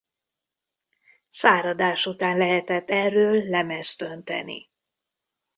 Száradás után lehetett erről lemezt önteni.